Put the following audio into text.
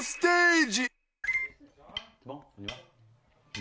何？